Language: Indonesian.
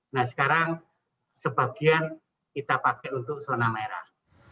nah sekarang sebagian kita pakai untuk zona merah